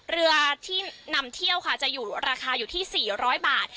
เรือที่นำเที่ยวค่ะจะอยู่ราคาอยู่ที่๔๐๐บาท